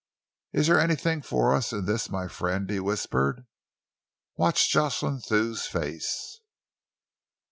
"Is there anything for us in this, my friend?" he whispered. "Watch Jocelyn Thew's face!"